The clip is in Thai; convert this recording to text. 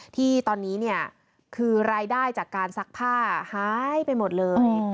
ที่ตอนนี้เนี่ยคือรายได้จากการซักผ้าหายไปหมดเลย